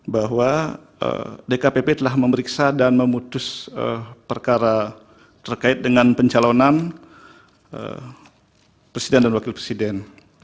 bahwa dkpp telah memeriksa dan memutus perkara terkait dengan pencalonan presiden dan wakil presiden